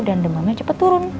dan demamnya cepet turun